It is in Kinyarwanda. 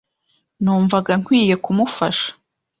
Numvaga nkwiye kumufasha.